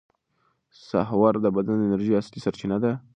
سحور د بدن د انرژۍ اصلي سرچینه ده.